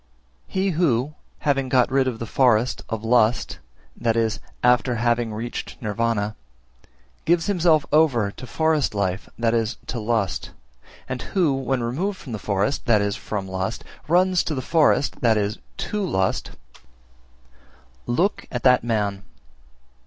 344. He who having got rid of the forest (of lust) (i.e. after having reached Nirvana) gives himself over to forest life (i.e. to lust), and who, when removed from the forest (i.e. from lust), runs to the forest (i.e. to lust), look at that man!